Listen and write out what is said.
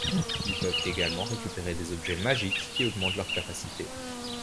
Ils peuvent également récupérer des objets magiques qui augmentent leurs capacités.